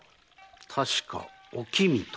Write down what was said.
確か「おきみ」と。